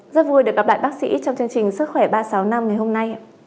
rất vui được gặp lại bác sĩ trong chương trình sức khỏe ba trăm sáu mươi năm ngày hôm nay